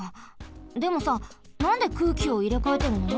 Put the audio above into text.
でもさなんで空気をいれかえてるの？